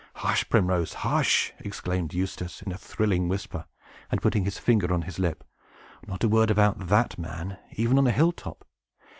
"Hush, Primrose, hush!" exclaimed Eustace, in a thrilling whisper, and putting his finger on his lip. "Not a word about that man, even on a hill top!